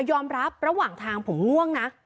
ยอมรับระหว่างทางผมง่วงนะ